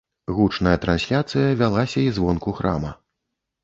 Гучная трансляцыя вялася і звонку храма.